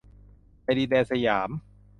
ในดินแดนสยาม